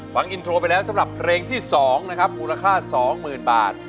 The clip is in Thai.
ฟังอินโทรไปแล้วสำหรับเพลงที่๒นะครับมูลค่า๒๐๐๐บาท